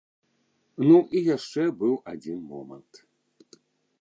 Ну і яшчэ быў адзін момант.